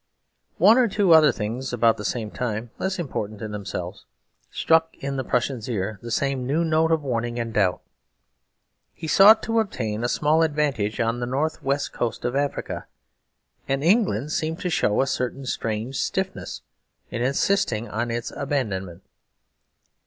One or two other things about the same time, less important in themselves, struck in the Prussian's ear the same new note of warning and doubt. He sought to obtain a small advantage on the north west coast of Africa; and England seemed to show a certain strange stiffness in insisting on its abandonment.